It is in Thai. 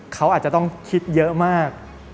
เขาอาจจะต้องคิดเยอะมาก